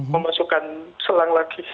memasukkan selang lagi